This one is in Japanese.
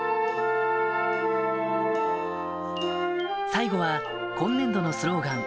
最後は今年度のスローガン